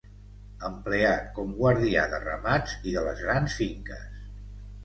Empleat com guardià de ramats i de les grans finques.